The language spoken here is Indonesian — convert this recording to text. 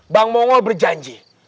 bang mongol berjanji